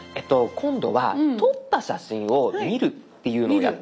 今度は撮った写真を見るっていうのをやってみたいと思います。